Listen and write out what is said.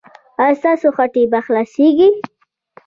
ایا ستاسو هټۍ به خلاصیږي؟